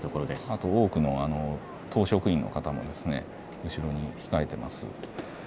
あと、多くの党職員の方も後ろに控えています。